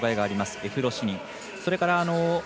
エフロシニン。